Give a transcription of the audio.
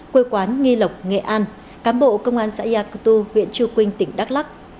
quê quán nghi lộc nghệ an cán bộ công an xã gia cơ tu huyện chư quynh tỉnh đắk lắk